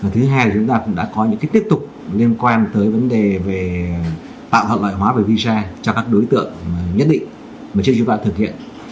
thứ hai là chúng ta cũng đã có những tiếp tục liên quan tới vấn đề về tạo thuận lợi hóa về visa cho các đối tượng nhất định mà trước chúng ta thực hiện